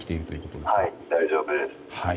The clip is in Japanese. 大丈夫です。